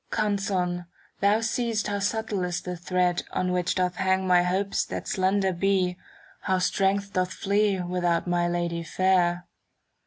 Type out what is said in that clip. Canzon', thou see'st how subtle is the thread, *" On which doth hang my hopes that slender ^"' How strength doth flee without my Lady fair.